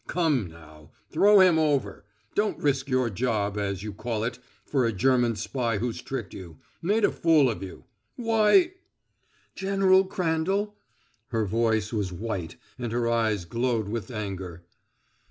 Come, now! Throw him over. Don't risk your job, as you call it, for a German spy who's tricked you made a fool of you. Why " "General Crandall!" Her face was white, and her eyes glowed with anger.